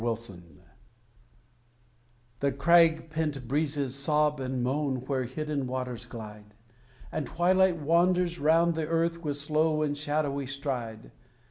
Evening Hymn The crag pent breezes sob and moan where hidden waters glide; And twilight wanders round the earth with slow and shadowy stride.